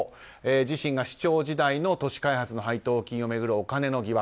自身が市長時代の都市開発の配当金を巡るお金の疑惑。